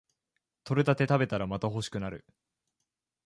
採れたて食べたらまた欲しくなる